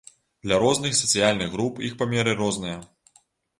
Для розных сацыяльных груп іх памеры розныя.